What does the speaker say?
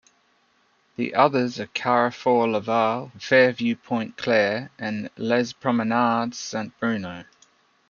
The others are the Carrefour Laval, Fairview Pointe-Claire, and Les Promenades Saint-Bruno.